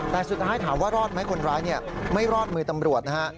แต่สุดท้ายถามว่ารอดไหมคนร้ายไม่รอดมือตำรวจนะฮะ